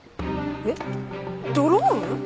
えっドローン！？